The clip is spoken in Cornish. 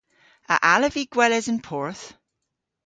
A allav vy gweles an porth?